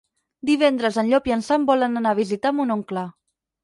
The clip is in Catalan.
Divendres en Llop i en Sam volen anar a visitar mon oncle.